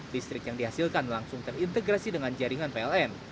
listrik yang dihasilkan langsung terintegrasi dengan listrik